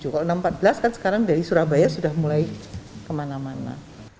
kalau enam ratus empat belas kan sekarang dari surabaya sudah mulai kemana mana